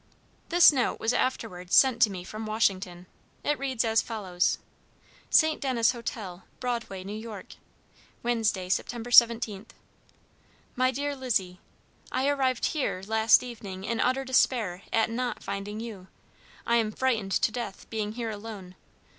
This note was afterwards sent to me from Washington. It reads as follows: ST. DENIS HOTEL, BROADWAY, N.Y. "Wednesday, Sept. 17th. "MY DEAR LIZZIE: I arrived here last evening in utter despair at not finding you. I am frightened to death, being here alone.